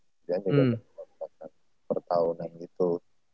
kerjaan juga ada kontrak kontrak per tahunan gitu